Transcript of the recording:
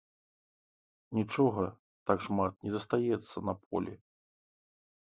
Нічога так шмат не застаецца на полі.